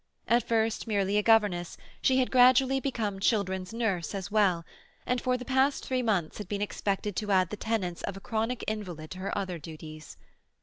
At first merely a governess, she had gradually become children's nurse as well, and for the past three months had been expected to add the tendance of a chronic invalid to her other duties.